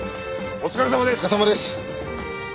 お疲れさまです！